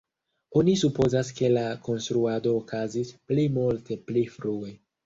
Oni supozas ke la konstruado okazis pli multe pli frue.